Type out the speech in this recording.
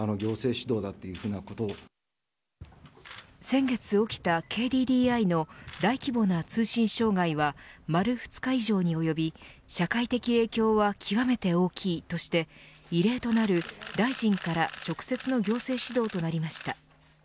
先月起きたＫＤＤＩの大規模な通信障害は丸２日以上に及び社会的影響は極めて大きいとして異例となる、大臣から直接の行政指導となりました。